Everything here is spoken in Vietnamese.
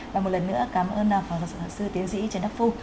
và một lần nữa cảm ơn phó giáo sư tiến sĩ trần đắc phu